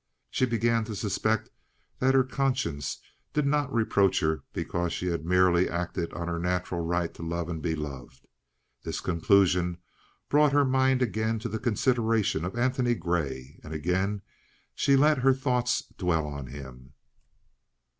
She began to suspect that her conscience did not reproach her because she had merely acted on her natural right to love and be loved. This conclusion brought her mind again to the consideration of Antony Grey, and again she let her thoughts dwell on him.